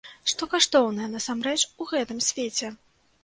Што каштоўнае насамрэч у гэтым свеце?